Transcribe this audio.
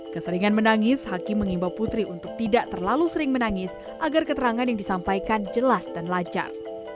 keseringan menangis hakim mengimbau putri untuk tidak terlalu sering menangis agar keterangan yang disampaikan jelas dan lancar